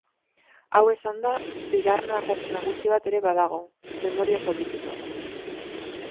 Hau esanda, bigarren ardatz nagusi bat ere badago: memoria politikoa.